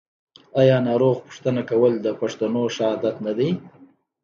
آیا ناروغ پوښتنه کول د پښتنو ښه عادت نه دی؟